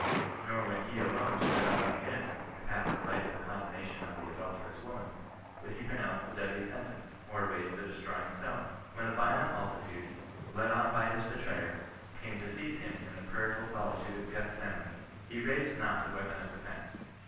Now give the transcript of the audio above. Nor when he alone stood up in innocence to pass a rightful condemnation on the adulterous woman, would he pronounce the deadly sen tence, or raise the destroying stone. When a violent multitude, led on by his betrayer, came to seize him in the prayerful solitude of Gethsemane, he raised not a weapon of defence.